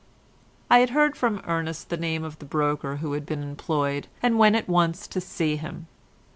I had heard from Ernest the name of the broker who had been employed, and went at once to see him.